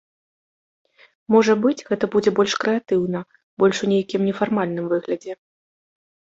Можа быць, гэта будзе больш крэатыўна, больш у нейкім нефармальным выглядзе.